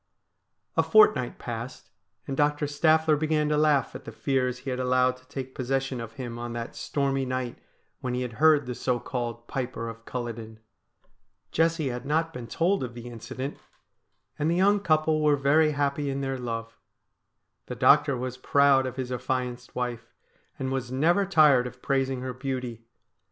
A fortnight passed, and Doctor Staffler began to laugh at the fears he had allowed to take possession of him on that stormy night when he had heard the so called Piper of Culloden. Jessie had not been told of the incident, and the young couple were very happy in their love. The doctor was proud of his affianced wife, and was never tired of praising her beauty.